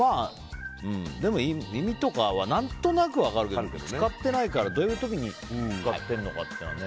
でも、意味とかは何となく分かるけど使ってないから、どういう時に使っているのかね。